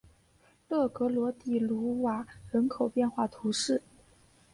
勒格罗迪鲁瓦人口变化图示